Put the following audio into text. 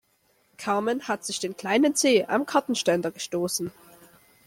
Carmen hat sich den kleinen Zeh am Kartenständer gestoßen.